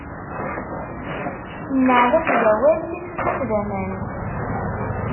Nneɛlat d awal, tisusaf d aman.